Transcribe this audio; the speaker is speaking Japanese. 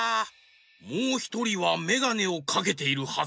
もうひとりはメガネをかけているはず。